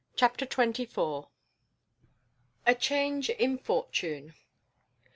CHAPTER TWENTY FOUR. A CHANGE IN FORTUNE.